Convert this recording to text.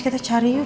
kita cari yuk